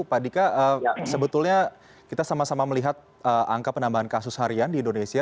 pak dika sebetulnya kita sama sama melihat angka penambahan kasus harian di indonesia